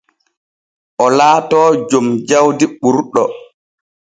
O laatoo jom jawdi ɓurɗo.